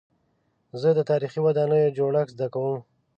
زه د تاریخي ودانیو جوړښت زده کوم.